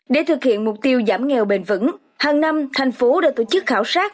để thực hiện mục tiêu giảm nghèo bền vững hàng năm thành phố đã tổ chức khảo sát